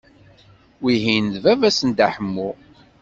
Wihin d baba-s n Dda Ḥemmu.